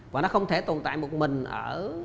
và nó không thể tồn tại một mình ở